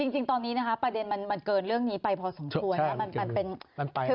จริงตอนนี้นะคะประเด็นมันเกินเรื่องนี้ไปพอสมควรนะ